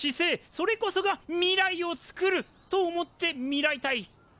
それこそが未来を作ると思ってみらいたい。